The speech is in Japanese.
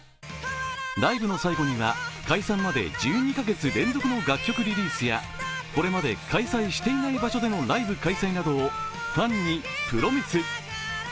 ライブの最後には、解散まで１２カ月連続の楽曲リリースやこれまで開催していない場所でのライブ開催などをファンにプロミス。